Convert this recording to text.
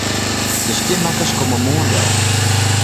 De skjinmakkers komme moarn del.